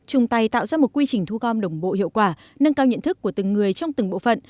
chung tay tạo ra một quy trình thu gom đồng bộ hiệu quả nâng cao nhận thức của từng người trong từng bộ phận